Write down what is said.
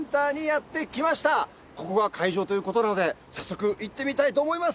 ここが会場ということなので早速行ってみたいと思います！